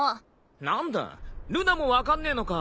何だルナも分かんねえのか。